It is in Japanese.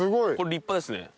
立派ですね。